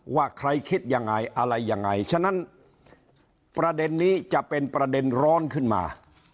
ว่าใครคิดยังไงอะไรยังไงฉะนั้นประเด็นนี้จะเป็นประเด็นร้อนขึ้นมา